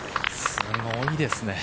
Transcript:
すごいですね。